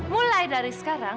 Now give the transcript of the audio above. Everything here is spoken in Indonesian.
mulai dari sekarang